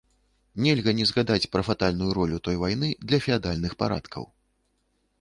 Нельга не згадаць пра фатальную ролю той вайны для феадальных парадкаў.